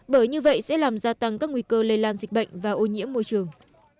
bởi như vậy sẽ làm gia tăng các nguy cơ lây lan dịch bệnh và ô nhiễm môi trường